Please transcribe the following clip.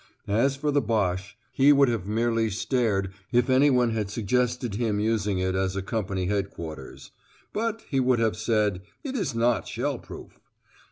As for the Boche, he would have merely stared if anyone had suggested him using it as a Company Headquarters. "But," he would have said, "it is not shell proof."